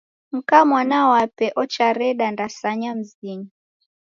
Mka mwana wape ochareda ndasanya mzinyi.